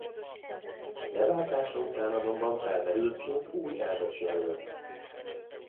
Leváltása után azonban felmerült mint új elnökjelölt.